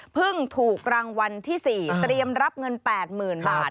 เพิ่งถูกรางวัลที่สี่เตรียมรับเงินแปดหมื่นบาท